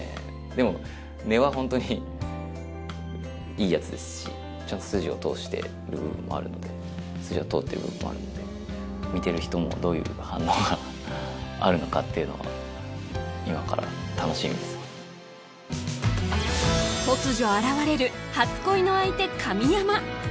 でも根はホントにいいやつですしちゃんと筋を通してる部分もあるので筋は通ってる部分もあるので見てる人もどういう反応があるのかっていうのは今から楽しみです突如現れる初恋の相手神山